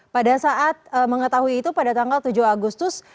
pada saat mengetahui itu pada tanggal tujuh agustus